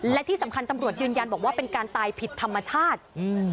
และที่สำคัญตำรวจยืนยันบอกว่าเป็นการตายผิดธรรมชาติอืม